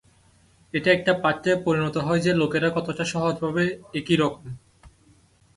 এটা একটা পাঠ্যে পরিণত হয় যে, লোকেরা কতটা সহজাতভাবে একইরকম।